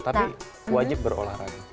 tapi wajib berolahraga